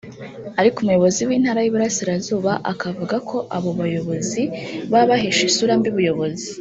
Ariko umuyobozi w’Intara y’Iburasirazuba akavuga ko abo bayobozi baba bahesha isura mbi ubuyobozi